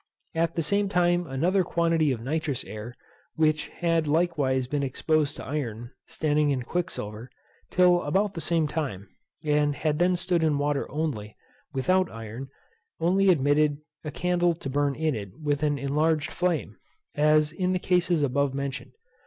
At the same time another quantity of nitrous air, which had likewise been exposed to iron, standing in quicksilver, till about the same time, and had then stood in water only, without iron, only admitted a candle to burn in it with an enlarged flame, as in the cases above mentioned.